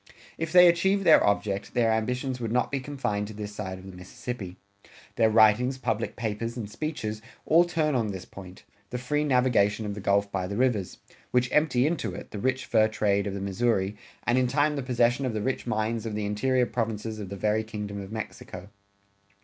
If they achieve their object, their ambitions would not be confined to this side of the Mississippi. Their writings, public papers, and speeches, all turn on this point, the free navigation of the Gulf by the rivers ... which empty into it, the rich fur trade of the Missouri, and in time the possession of the rich mines of the interior provinces of the very Kingdom of Mexico.